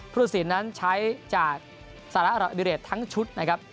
พฤษิณนั้นใช้จากสาระระบิเรศทั้งชุดนะครับ